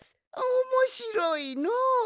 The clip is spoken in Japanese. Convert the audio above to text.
おもしろいのう！